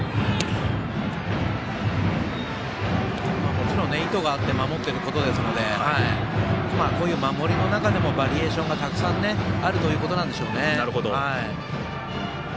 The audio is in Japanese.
もちろん意図があって守っていることですのでこういう守りの中でもバリエーションがたくさんあるということなんでしょうね。